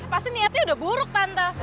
pasti niatnya udah buruk pantau